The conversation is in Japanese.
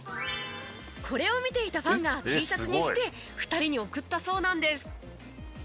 これを見ていたファンがＴシャツにして２人に贈ったそうなんです。